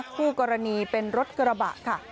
คู่กรณีเป็นรถกระบะค่ะ